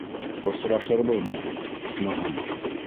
Осрашырбыҙмы, исмаһам?